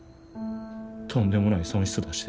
とんでもない損失出して。